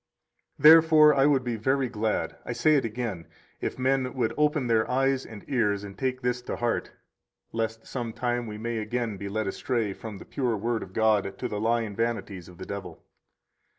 121 Therefore I would be very glad (I say it again) if men would open their eyes and ears, and take this to heart, lest some time we may again be led astray from the pure Word of God to the lying vanities of the devil.